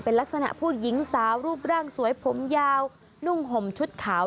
เป็นลักษณะผู้หญิงสาวรูปร่างสวยผมยาวนุ่งห่มชุดขาว